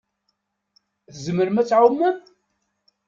Tzemrem ad tɛumem?